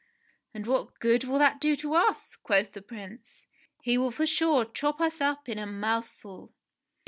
"And what good will that be to us?" quoth the Prince. "He will for sure chop us up in a mouthful."